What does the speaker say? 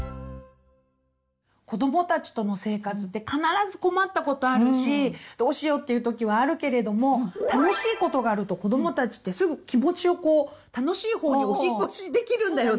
子どもたちとの生活って必ず困ったことあるし「どうしよう」っていう時はあるけれども楽しいことがあると子どもたちってすぐ気持ちをこう楽しいほうに「お引っ越し」できるんだよね。